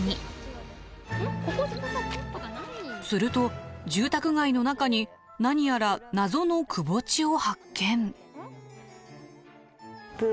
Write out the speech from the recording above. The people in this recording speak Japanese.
すると住宅街の中に何やら謎の窪地を発見。